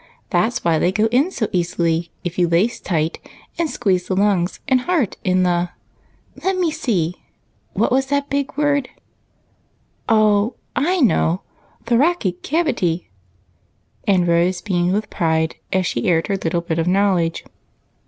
That 's why they go in so easily if you lace tight and squeeze the lungs and heart in the — let me see, what was that big word — oh, I know — thoracic cavity," and Rose beamed with pride as she aired her little bit of knowledge.